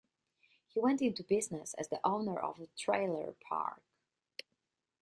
He went into business as the owner of a trailer park.